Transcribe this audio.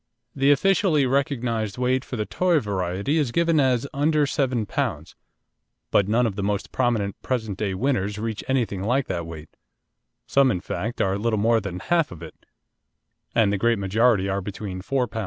The officially recognised weight for the toy variety is given as "under seven pounds," but none of the most prominent present day winners reach anything like that weight; some in fact are little more than half of it, and the great majority are between 4 lb.